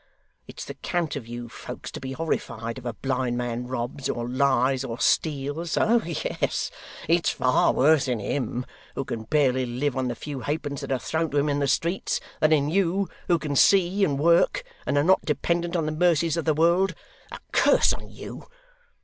It's the cant of you folks to be horrified if a blind man robs, or lies, or steals; oh yes, it's far worse in him, who can barely live on the few halfpence that are thrown to him in streets, than in you, who can see, and work, and are not dependent on the mercies of the world. A curse on you!